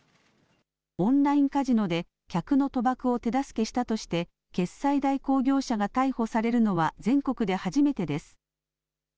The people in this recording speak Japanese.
オンラインカジノで客の賭博を手助けしたとして決済代行業者が逮捕されるのは全国で初めてです。